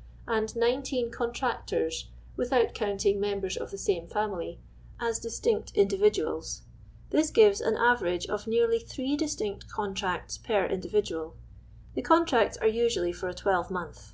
*, and nineteen contrac torg, without counting members of the same family, as distinct individuals ; this gives an average of nearly three distinct contracts per individual. The contracts are usually for a twelvemonth.